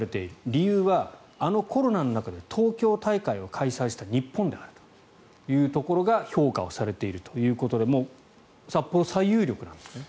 理由は、あのコロナの中で東京大会を開催した日本であるというところが評価をされているということで札幌、最有力なんですね。